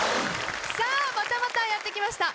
さあまたまたやってきました